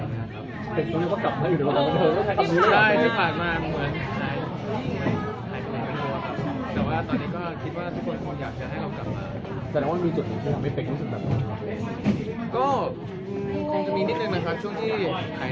มันก็เหมือนคนที่ไม่ค่อยได้อยู่ตรงหน้าจอแต่ทีนี้คิดว่าขอบคุณครับ